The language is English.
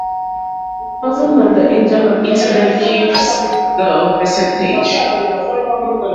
The cosine of the angle of incidence gives the percentage.